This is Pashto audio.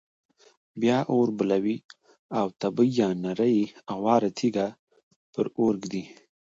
بیا اور بلوي او تبۍ یا نرۍ اواره تیږه پر اور ږدي.